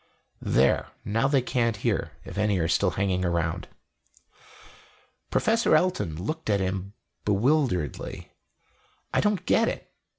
"There; now they can't hear if any are still hanging around." Professor Elton looked at him bewilderedly. "I don't get it.